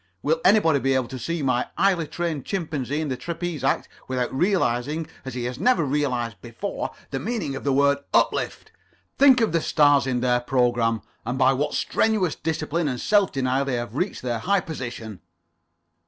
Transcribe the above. Will anybody be able to see my highly trained chimpanzee in the trapeze act without realizing as he has never realized before, the meaning of the word uplift? Think of the stars in their program. And by what strenuous discipline and self denial they have reached their high position."